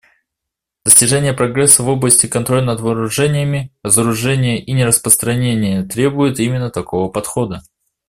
Достижение прогресса в области контроля над вооружениями, разоружения и нераспространения требует именно такого подхода.